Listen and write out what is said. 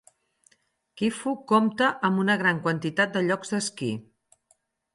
Gifu compta amb una gran quantitat de llocs d'esquí.